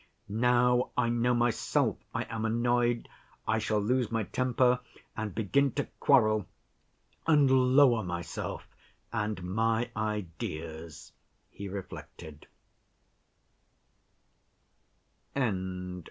"Now, I know myself, I am annoyed, I shall lose my temper and begin to quarrel—and lower myself and my ideas," he reflected.